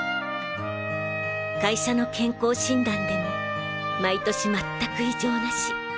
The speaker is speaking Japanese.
会社の健康診断でも毎年まったく異常なし。